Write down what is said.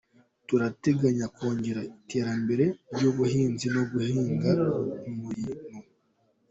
Turateganya kongera iterambere ry’ubuhinzi no guhanga imirimo”.